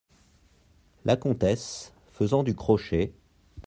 La Comtesse , faisant du crochet.